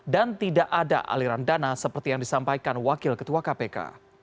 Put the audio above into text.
dan tidak ada aliran dana seperti yang disampaikan wakil ketua kpk